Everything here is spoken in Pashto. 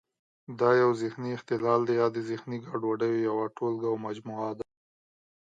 دا یو ذهني اختلال دی یا د ذهني ګډوډیو یوه ټولګه او مجموعه ده.